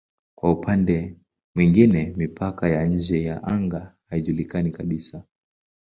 Kwa upande mwingine mipaka ya nje ya anga haijulikani kabisa.